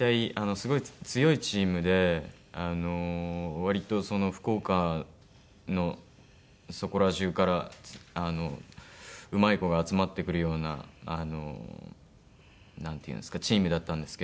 すごい強いチームで割と福岡のそこら中からうまい子が集まってくるようななんていうんですかチームだったんですけど。